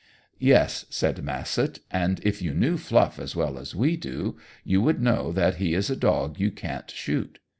"Yes," said Massett; "and if you knew Fluff as well as we do you would know that he is a dog you can't shoot.